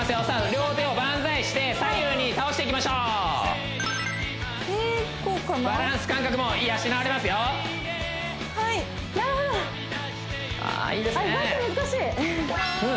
両手をバンザイして左右に倒していきましょうバランス感覚も養われますよああいいですね